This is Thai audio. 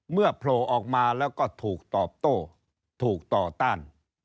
โผล่ออกมาแล้วก็ถูกตอบโต้ถูกต่อต้าน